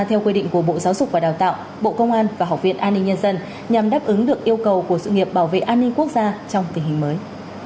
theo quy định của bộ giáo dục và đào tạo bộ công an và học viện an ninh nhân dân nhằm đáp ứng được yêu cầu của sự nghiệp bảo vệ an ninh quốc gia trong tình hình mới